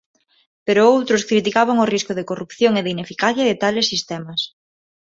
Pero outros criticaban o risco de corrupción e de ineficacia de tales sistemas.